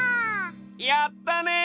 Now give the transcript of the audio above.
やったね！